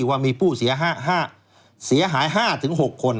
ว่ามีผู้เสียหาย๕๖คน